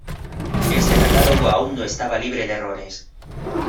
Este catálogo aún no estaba libre de errores.